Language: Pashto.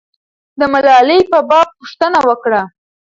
د ملالۍ په باب پوښتنه وکړه.